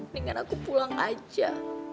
tinggal aku pulang aja